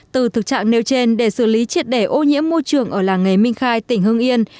từ thực trạng nêu trên để xử lý triệt để ô nhiễm môi trường ở làng nghề minh khai tỉnh hưng yên